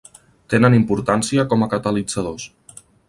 Tenen importància com a catalitzadors.